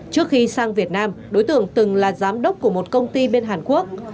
trước khi sang việt nam đối tượng từng là giám đốc của một công ty bên hàn quốc